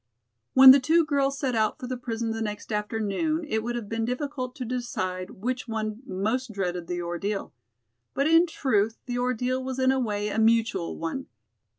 When the two girls set out for the prison the next afternoon it would have been difficult to decide which one most dreaded the ordeal. But in truth the ordeal was in a way a mutual one.